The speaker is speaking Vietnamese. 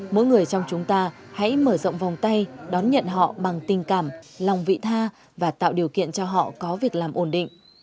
mỗi người trong chúng ta hãy mở rộng vòng tay đón nhận họ bằng tình cảm lòng vị tha và tạo điều kiện cho họ có việc làm ổn định